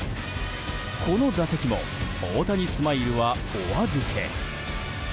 この打席も大谷スマイルはお預け。